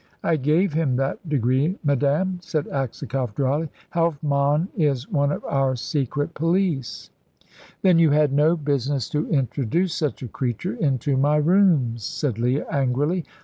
"I gave him that degree, madame," said Aksakoff, dryly. "Helfmann is one of our secret police." "Then you had no business to introduce such a creature into my rooms," said Leah, angrily.